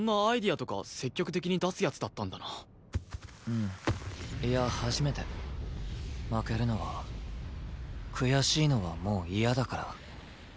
んいや初めて。負けるのは悔しいのはもう嫌だから。